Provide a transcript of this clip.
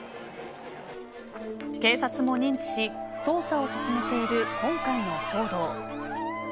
警察も認知し捜査を進めている今回の騒動。